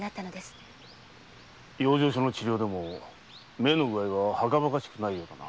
養生所の治療でも目の具合ははかばかしくないようだな。